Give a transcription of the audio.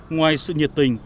ngoài sự nhiệt tình